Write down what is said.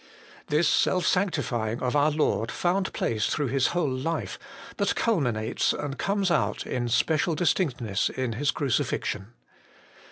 151 This self sanctifying of our Lord found place through His whole life, but culminates and comes out in special distinctness in His crucifixion.